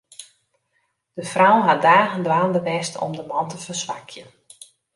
De frou hat dagen dwaande west om de man te ferswakjen.